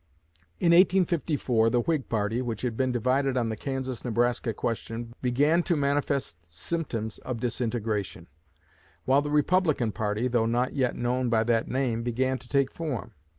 In 1854 the Whig party, which had been divided on the Kansas Nebraska question, began to manifest symptoms of disintegration; while the Republican party, though not yet known by that name, began to take form.